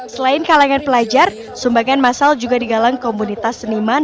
selain kalangan pelajar sumbangan masal juga digalang komunitas seniman